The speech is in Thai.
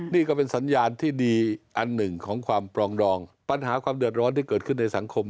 นี่ก็เป็นสัญญาณที่ดีอันหนึ่งของความปรองดองปัญหาความเดือดร้อนที่เกิดขึ้นในสังคม